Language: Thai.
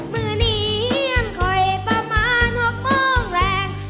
มือนี้มันคอยประมาณหบบ้องแรง